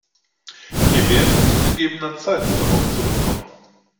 Wir werden zu gegebener Zeit darauf zurückkommen.